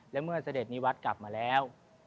และเมื่อเสด็จนิวัตรกลับมาแล้ว